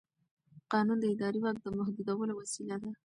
قانون د اداري واک د محدودولو وسیله ده.